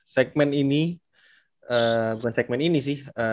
segmen ini bukan segmen ini sih